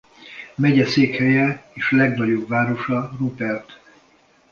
Megyeszékhelye és legnagyobb városa Rupert.